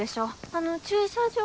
あの駐車場。